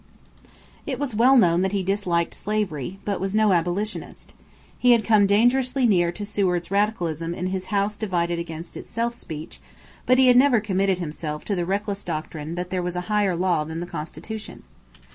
It was well known that he disliked slavery, but was no abolitionist. He had come dangerously near to Seward's radicalism in his "house divided against itself" speech but he had never committed himself to the reckless doctrine that there was a "higher law" than the Constitution.